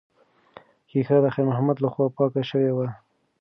ښیښه د خیر محمد لخوا پاکه شوې وه.